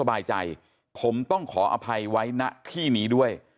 ลาออกจากหัวหน้าพรรคเพื่อไทยอย่างเดียวเนี่ย